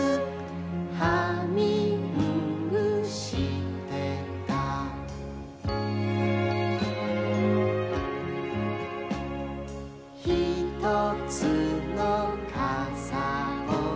「ハミングしてた」「ひとつのかさを」